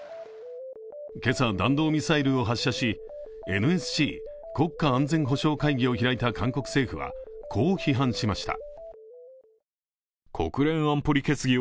今朝、弾道ミサイルを発射しＮＳＣ＝国家安全保障会議を開いた韓国政府は、こう批判しました。